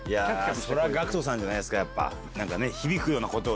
それはＧＡＣＫＴさんじゃないですか。